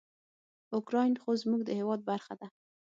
اوکراین خو زموږ د هیواد برخه ده.